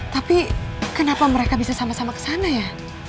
tapi kenapa mereka bisa sama sama ke sana ya